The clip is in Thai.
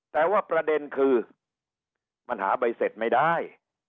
แต่ว่าประเด็นคือมันหาใบเสร็จไม่ได้